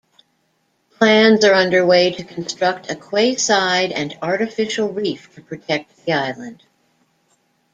Plans are underway to construct a quayside and artificial reef to protect the island.